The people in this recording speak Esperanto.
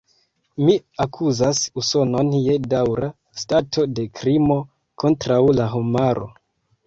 Mi akuzas Usonon je daŭra stato de krimo kontraŭ la homaro.